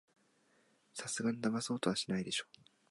さすがにだまそうとはしないでしょ